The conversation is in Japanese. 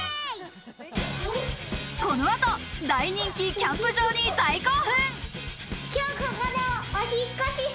この後、大人気キャンプ場に大興奮。